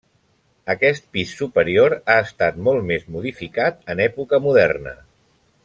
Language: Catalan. Aquest pis superior ha estat molt més modificat en època moderna.